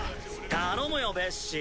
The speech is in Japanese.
頼むよベッシ。